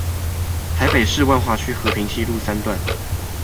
臺北市萬華區和平西路三段